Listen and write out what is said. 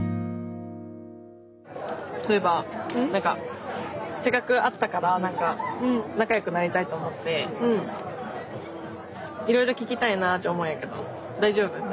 そういえば何かせっかく会ったから仲よくなりたいと思っていろいろ聞きたいなっち思うんやけど大丈夫？